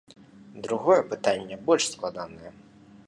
Другое пытанне больш складанае.